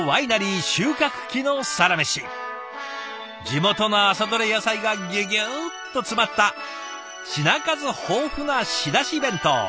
地元の朝どれ野菜がギュギュッと詰まった品数豊富な仕出し弁当。